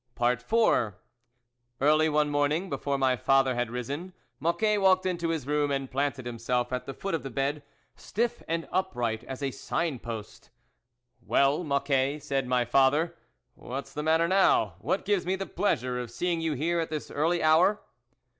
IV EARLY one morning, before my father had risen, Mocquet walked into his room, and planted himself at the foot of the bed, stiff and upright as a sign post. " Well, Mocquet," said my father, " what's the matter now ? what gives me the pleasure of seeing you here at this early hour